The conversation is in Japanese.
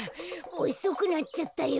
おそくなっちゃったよ。